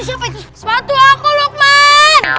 sepatu aku lukman